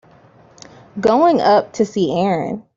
Going up to see Erin.